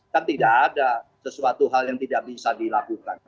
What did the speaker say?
kan tidak ada sesuatu hal yang tidak bisa dilakukan